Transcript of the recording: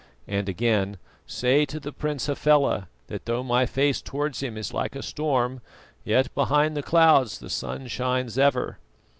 And again, "Say to the Prince Hafela, that though my face towards him is like a storm, yet behind the clouds the sun shines ever."